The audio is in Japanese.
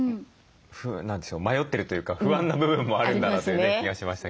何でしょう迷ってるというか不安な部分もあるんだなという気がしました。